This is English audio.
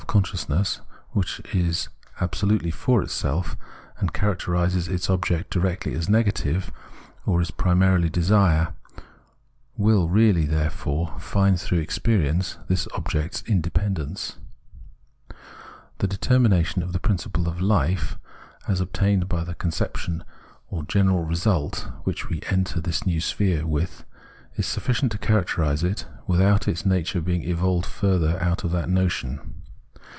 Self consciousness, which is abso lutely for itself, and characterises its object directly as negative, or is primarily desire, will really, therefore, find through experience this object's independence. The determination of the principle of Mfe,* as * Cp. Hegel's Logik, T. II, Absch. 3. Kap. i.— "das Leben," 168 Phenomenology of Mind obtained from the conception or general result with which we enter this new sphere, is sufficient to characterise it, without its nature being evolved further out of that notion.